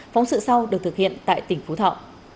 phóng sự sau được thực hiện tại tỉnh phú thọ